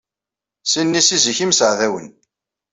Sin-nni seg zik ay mseɛdawen.